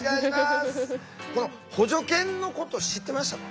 この補助犬のこと知ってましたか？